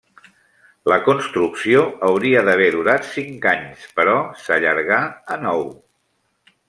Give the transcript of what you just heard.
La construcció hauria d’haver durat cinc anys però s’allargà a nou.